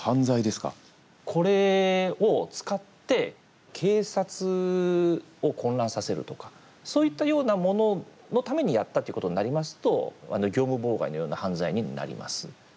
これを使って警察を混乱させるとかそういったようなもののためにやったということになりますと業務妨害のような犯罪になります。